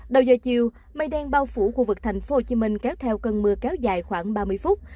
đầu giờ chiều mây đen bao phủ khu vực thành phố hồ chí minh kéo theo cơn mưa kéo dài khoảng ba mươi phút